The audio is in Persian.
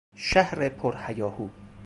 شهر پر هیاهو